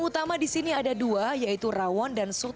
setelah berada mulai prasada menit saat sebelas dua puluh empat